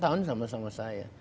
lima tahun sama sama saya